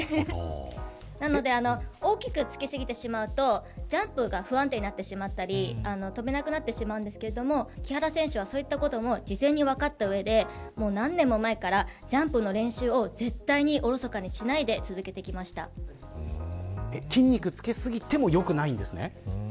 なので大きくつけすぎてしまうとジャンプが不安定になってしまったり跳べなくなってしまうんですけど木原選手は、そういったことも事前に分かった上で何年も前からジャンプの練習を絶対におろそかにしないで筋肉つけすぎてもそうなんですね。